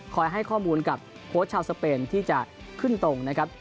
ให้ข้อมูลกับโค้ชชาวสเปนที่จะขึ้นตรงนะครับ